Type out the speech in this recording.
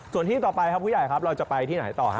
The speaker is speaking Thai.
ส่วนที่ต่อไปครับผู้ใหญ่ครับเราจะไปที่ไหนต่อฮะ